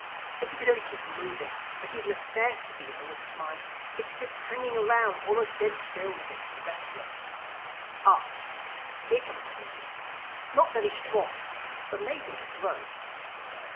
If we could only keep moving at even a fair speed, I wouldn't mind. It's this hanging around, almost dead still, that gets me restless—Ah, here comes a wind—Not very strong—but maybe it'll grow."